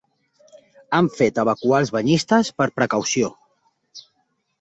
Han fet evacuar els banyistes per precaució.